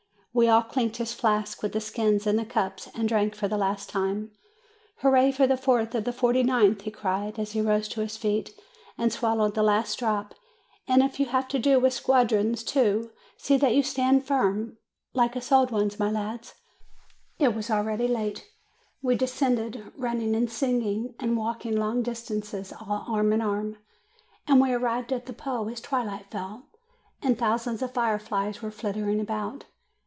We all clinked his flask with the skins and the cups, and drank for the last time. "Hurrah for the fourth of the 49th!" he cried, as he rose to his feet, and swallowed the last drop; "and if you have to do with squadrons too, see that you stand firm, like us old ones, my lads!" It was already late. We descended, running and singing, and walking long distances all arm in arm, and we arrived at the Po as twilight fell, and thousands of fireflies were flitting about.